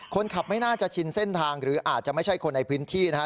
คนขับไม่น่าจะชินเส้นทางหรืออาจจะไม่ใช่คนในพื้นที่นะฮะ